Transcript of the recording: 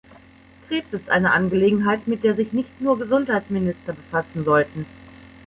Krebs ist eine Angelegenheit, mit der sich nicht nur Gesundheitsminister befassen sollten.